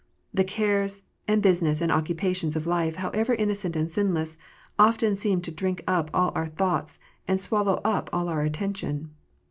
The cares, and business, and occupations of life, however innocent and sinless, often seem to drink up all our thoughts, and swallow up all our attention.